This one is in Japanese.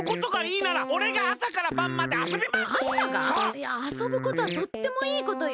いやあそぶことはとってもいいことよ。